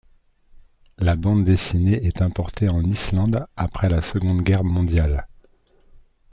La bande dessinée est importée en Islande après la Seconde Guerre mondiale.